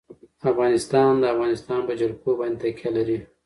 افغانستان په د افغانستان جلکو باندې تکیه لري.